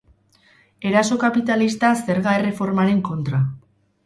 Eraso kapitalista zerga erreformaren kontra.